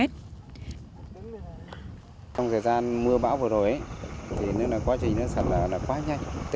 trong thời gian mưa bão vừa rồi quá trình sạt lở là quá nhanh